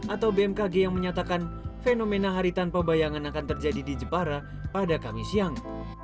atau bmkg yang menyatakan fenomena hari tanpa bayangan akan terjadi di jepara pada kamis siang